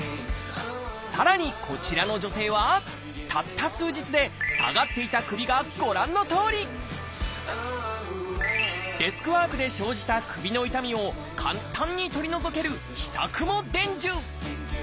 さらにこちらの女性はたった数日で下がっていた首がご覧のとおりデスクワークで生じた首の痛みを簡単に取り除ける秘策も伝授。